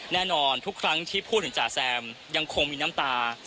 แน่นอนทุกครั้งที่พูดถึงจ๋าแซมยังคงมีน้ำตา